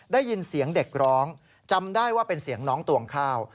ได้ยินเสียงเด็กร้องจำได้ว่าเป็นเสียงน้องตวงข้าว